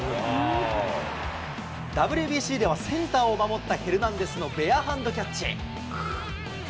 ＷＢＣではセンターを守ったヘルナンデスのベアハンドキャッチ。